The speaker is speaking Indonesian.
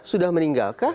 sudah meninggal kah